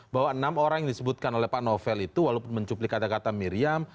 bahwa enam orang yang disebutkan oleh pak novel itu walaupun mencuplik kata kata miriam